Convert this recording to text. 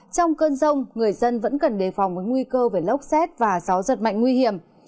trong cơn rông người dân vẫn cần đề phòng với nguy cơ về lốc xét và gió giật mạnh nguy hiểm